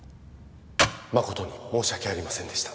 誠に申し訳ありませんでした